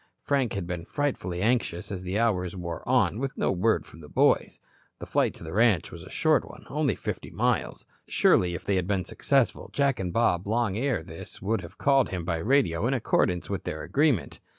Frank had been frightfully anxious as the hours wore on with no word from the boys. The flight to the ranch was a short one of only fifty miles. Surely, if they had been successful, Jack and Bob long ere this would have called him by radio in accordance with their agreement.